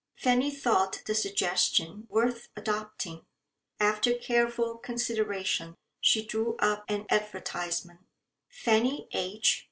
Fanny thought the suggestion worth adopting. After careful consideration, she drew up an advertisement: "Fanny H.